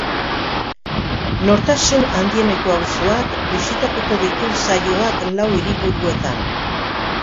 Nortasun handieneko auzoak bisitatuko ditu saioak lau hiriburuetan.